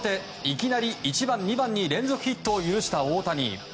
いきなり１番、２番に連続ヒットを許した大谷。